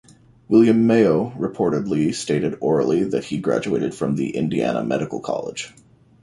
William Mayo reportedly stated orally that he graduated from the Indiana Medical College.